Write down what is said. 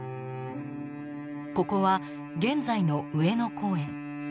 ここは、現在の上野公園。